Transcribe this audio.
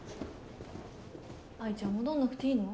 ・愛ちゃん戻んなくていいの？